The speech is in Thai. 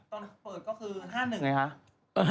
ตอนเปิดก็คือ๕๑ไงคะ